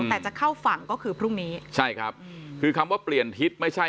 แต่จะเข้าฝั่งก็คือพรุ่งนี้ใช่ครับคือคำว่าเปลี่ยนทิศไม่ใช่